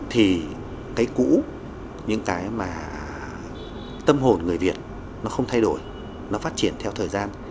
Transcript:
thì cái cũ những cái mà tâm hồn người việt nó không thay đổi nó phát triển theo thời gian